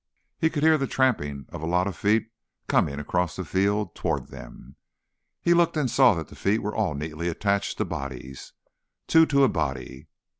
He could hear the tramping of a lot of feet coming across the field toward them. He looked and saw that the feet were all neatly attached to bodies, two to a body.